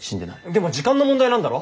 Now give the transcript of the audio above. でも時間の問題なんだろ？